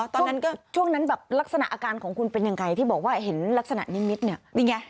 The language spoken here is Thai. ตอนนั้นก็ช่วงนั้นแบบลักษณะอาการของคุณเป็นยังไงที่บอกว่าเห็นลักษณะนิมิตเนี่ย